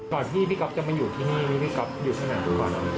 ที่พี่ก๊อฟจะมาอยู่ที่นี่พี่ก๊อฟอยู่ที่ไหนทุกวัน